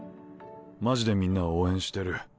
マジでみんな応援してる。